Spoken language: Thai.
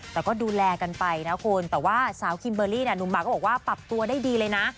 แต่ก็ดูแลกันไปนะคุณแต่ว่าสาวคิมเบอร์รี่เนี่ยหนุ่มหมากก็บอกว่าปรับตัวได้ดีเลยนะ